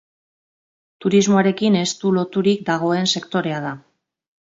Turismoarekin estu loturik dagoen sektorea da.